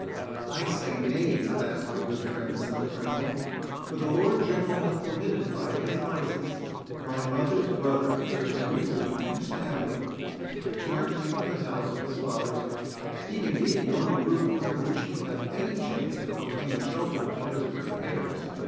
"I say nay to that, my good friend," said the Colonel; "for the Lord General hath permitted, by his license, my mother's brother, Sir Henry Lee, and his family, to return into the house of his fathers, being indeed the only roof under which he hath any chance of obtaining shelter for his grey hairs."